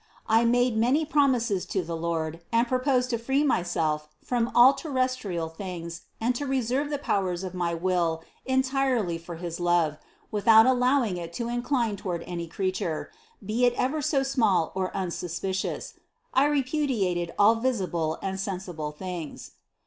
I made many promises to the Lord and proposed to free myself from all terrestrial things and to reserve the powers of my will entirely for his love, without allowing it to incline toward any creature, be it ever so small or unsuspicious ; I repudiated all visible and sensible things.